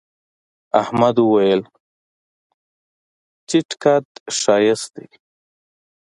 احمد وويل: تيت قد ښایست دی.